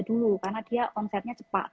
dulu karena dia konsepnya cepat